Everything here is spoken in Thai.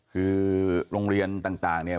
คือโรงเรียนต่างเนี่ย